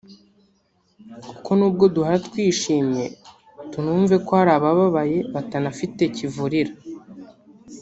Kuko n’ubwo duhora twishyimye tunumve ko hari abababaye batanafite kivurira